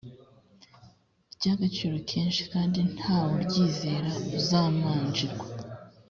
ry agaciro kenshi kandi nta wuryizera uzamanjirwa